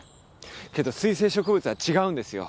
けど水生植物は違うんですよ。